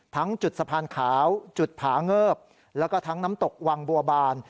ทั้งจุดสะพานขาวจุดผาเงิบแล้วก็ทั้งน้ำตกวังบัวบาน